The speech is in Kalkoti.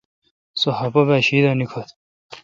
سو خفہ با شی دا نکھت۔